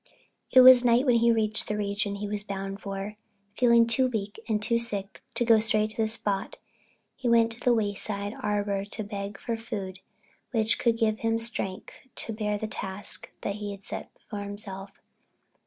It was night when he reached the region he was bound for, and feeling too weak and sick to go straight to the spot, he went to the Wayside Arbor to beg for food which would give him strength to bear the task he had set himself.